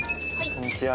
こんにちは。